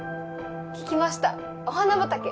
聞きましたお花畑。